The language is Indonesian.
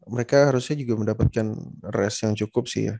mereka harusnya juga mendapatkan res yang cukup sih ya